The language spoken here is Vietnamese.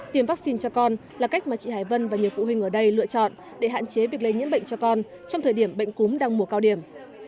tìm vắc xin cho con là cách mà chị hải vân và nhiều phụ huynh ở đây lựa chọn để hạn chế việc lấy nhiễm bệnh cho con trong thời điểm bệnh cúm đang mùa cao điểm